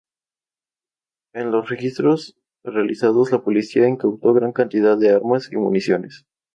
En los registros realizados la policía incautó gran cantidad de armas y municiones.